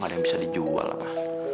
ada yang bisa dijual apa